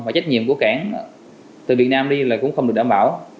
và trách nhiệm của cảng từ việt nam đi là cũng không được đảm bảo